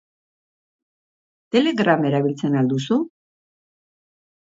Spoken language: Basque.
Telegram erabiltzen al duzu?